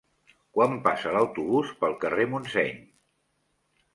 Quan passa l'autobús pel carrer Montseny?